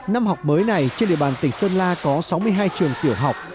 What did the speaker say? năm học mới này trên địa bàn tỉnh sơn la có sáu mươi hai trường tiểu học